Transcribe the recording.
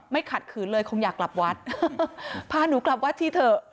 ขัดขืนเลยคงอยากกลับวัดพาหนูกลับวัดทีเถอะ